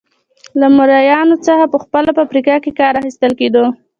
له مریانو څخه په خپله په افریقا کې کار اخیستل کېده.